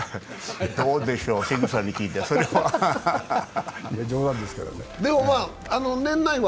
どうでしょう、関口さんに聞いて、それは。